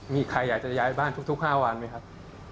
มีใครอยากจะย้ายบ้านทุก๕วันไหมครับ